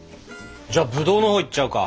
じゃあブドウのほういっちゃおうか。